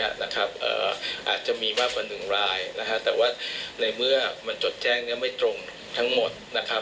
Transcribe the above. มันก็คือเป็นผลิตภัณฑ์ที่ไม่ถูกต้องทั้งหมด